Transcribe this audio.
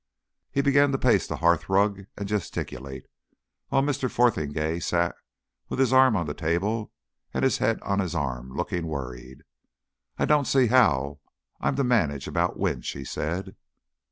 He began to pace the hearthrug and gesticulate, while Mr. Fotheringay sat with his arm on the table and his head on his arm, looking worried. "I don't see how I'm to manage about Winch," he said.